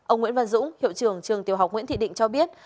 ông nguyễn văn dũng hiệu trưởng trường tiểu học nguyễn thị định cho biết